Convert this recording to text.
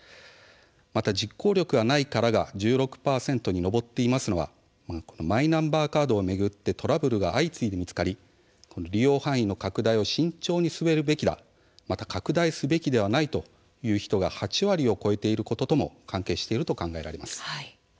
また、実行力がないからが１６％に上っているのはマイナンバーカードを巡ってトラブルが相次いで見つかり利用範囲の拡大を慎重に進めるべきだ、また拡大すべきではないという人が８割を超えていることとも関係していると考えられます。